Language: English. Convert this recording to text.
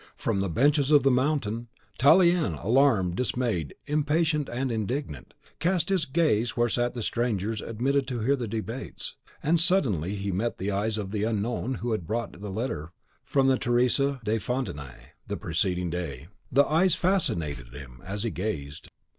From the benches of the Mountain, Tallien, alarmed, dismayed, impatient, and indignant, cast his gaze where sat the strangers admitted to hear the debates; and suddenly he met the eyes of the Unknown who had brought to him the letter from Teresa de Fontenai the preceding day. The eyes fascinated him as he gazed.